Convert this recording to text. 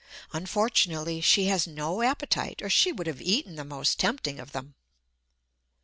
Unfortunately she has no appetite, or she would have eaten the most tempting of them.